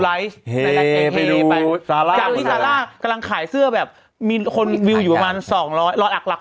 ไลค์ไปดูจากที่กำลังขายเสื้อแบบมีคนอยู่ประมาณสองร้อยหลักหลัก